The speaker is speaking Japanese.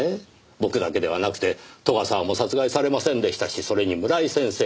僕だけではなくて斗ヶ沢も殺害されませんでしたしそれに村井先生も。